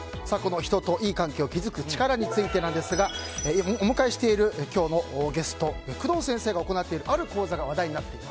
人と良い関係を築く力についてですがお迎えしている今日のゲスト工藤先生が行っているある講座が話題になっています。